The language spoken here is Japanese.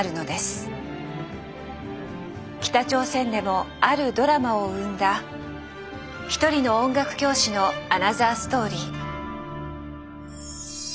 北朝鮮でもあるドラマを生んだ一人の音楽教師のアナザーストーリー。